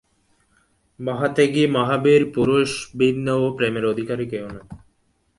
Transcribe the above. মহাত্যাগী, মহাবীর পুরুষ ভিন্ন ও-প্রেমের অধিকারী কেউ নয়।